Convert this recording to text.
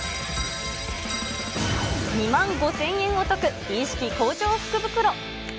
２万５０００円お得、美意識向上福袋。